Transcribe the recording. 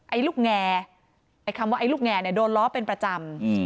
ไอ้ลูกแงไอ้คำว่าไอ้ลูกแงเนี่ยโดนล้อเป็นประจำ